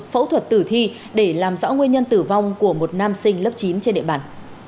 phẫu thuật tử thi để làm rõ nguyên nhân tử vong của một nam sinh lớp chín trên địa bàn